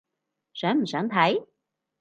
想唔想睇？